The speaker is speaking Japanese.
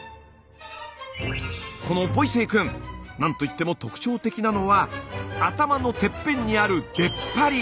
このボイセイくんなんといっても特徴的なのは頭のてっぺんにある出っ張り！